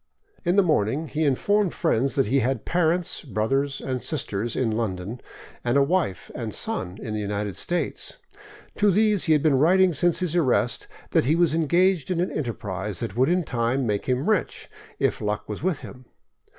In the morning he informed friends that he had parents, brothers, and sisters in London, and a wife and son in the United States. To these he had been writing since his arrest that he was engaged in an enterprise that would in time make him rich, if luck was with him.